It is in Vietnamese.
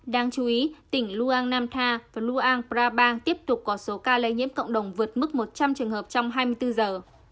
đáng chú ý tỉnh luang nam tha và luang prabang tiếp tục có số ca lây nhiễm cộng đồng vượt mức một trăm linh trường hợp trong hai mươi bốn giờ